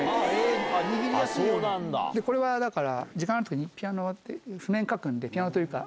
これはだから、時間があるとき、ピアノ終わって、譜面書くんで、ピアノというか。